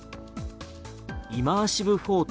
イマーシブ・フォート